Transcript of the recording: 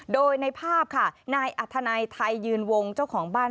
โดยในภาพค่ะนายอัธนัยไทยยืนวงเจ้าของบ้าน